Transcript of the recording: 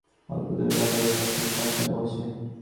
অল্প দূরে কাতোঁরা পাখির পাঠশালা বসে।